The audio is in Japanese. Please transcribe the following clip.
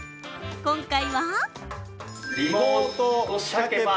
今回は！